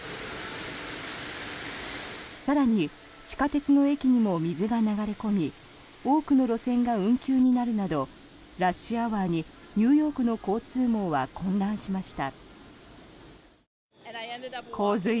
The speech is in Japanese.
更に地下鉄の駅にも水が流れ込み多くの路線が運休になるなどラッシュアワーにニューヨークの交通網は混乱しました。